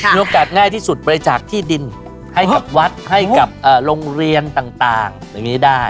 โอกาสง่ายที่สุดบริจาคที่ดินให้กับวัดให้กับโรงเรียนต่างอย่างนี้ได้